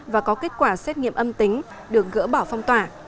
và có kết quả xét nghiệm âm tính được gỡ bỏ phong tỏa